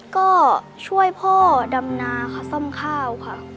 ก็ช่วยพ่อดำนาค่ะซ่อมข้าวค่ะ